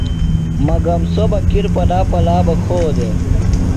مگم سوۡ بہ کِر پلا پلا بہ کھو دےۡ۔